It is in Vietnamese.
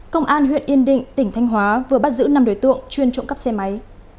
công an huyện yên định tỉnh thanh hóa vừa bắt giữ năm đối tượng chuyên trộm cắp xe máy